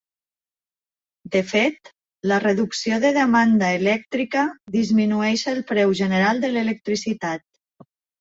De fet, la reducció de demanda elèctrica disminueix el preu general de l'electricitat.